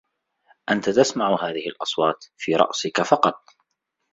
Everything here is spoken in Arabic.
أنت تسمع هذه الأصوات في رأسك فقط.